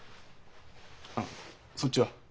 あっそっちは？